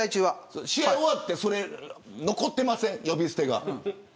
試合終わって残ってません、呼び捨てが。